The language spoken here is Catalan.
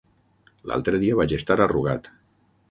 L'altre dia vaig estar a Rugat.